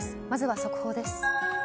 まずは速報です。